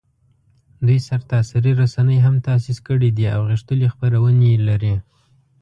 دوی سرتاسري رسنۍ هم تاسیس کړي دي او غښتلي خپرندویې لري